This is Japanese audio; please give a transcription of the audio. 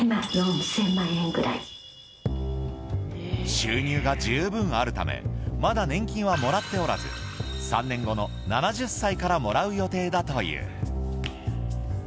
収入が十分あるためまだ年金はもらっておらず３年後の７０歳からもらう予定だという。